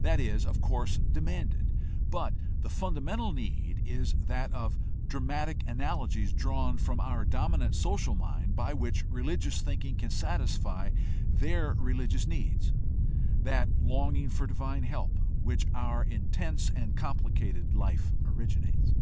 That is, of course, demanded; but the fundamental need is that of dramatic analogies drawn from our dominant social mind by which religious thinking can satisfy their re ligious needs, that longing for divine help, which our intense and complicated life originates.